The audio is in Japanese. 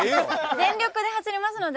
全力で走りますので。